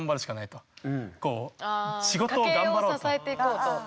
あ家計を支えていこうと。